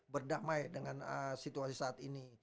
berdamai dengan situasi saat ini